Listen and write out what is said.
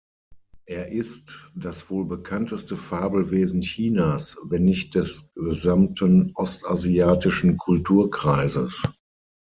Er ist das wohl bekannteste Fabelwesen Chinas, wenn nicht des gesamten ostasiatischen Kulturkreises.